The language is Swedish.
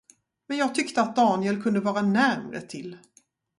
Men jag tyckte att Daniel kunde vara närmre till.